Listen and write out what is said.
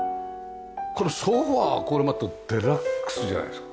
このソファこれまたデラックスじゃないですか？